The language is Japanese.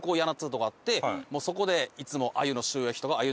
そこでいつも。